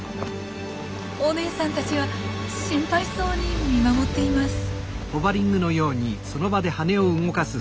お姉さんたちは心配そうに見守っています。